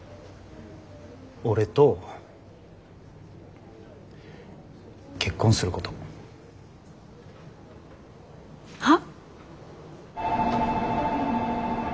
俺と結婚すること。は？